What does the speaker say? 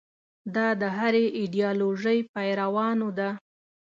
دا د هرې ایدیالوژۍ پیروانو ده.